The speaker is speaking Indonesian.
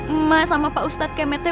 emak sama pak ustadz kemeter